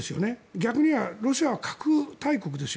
逆に言えばロシアは核大国ですよ。